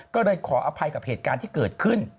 ก็เลยขออภัยกับเหตุการณ์ที่เกิดขึ้น